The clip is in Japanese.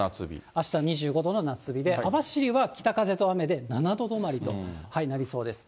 あした２５度の夏日で、網走は北風と雨で７度止まりとなりそうです。